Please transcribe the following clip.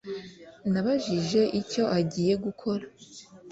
Nabajije icyo agiye gukora